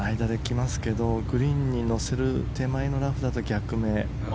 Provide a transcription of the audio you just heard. グリーンに乗せる手前のラフだと逆目。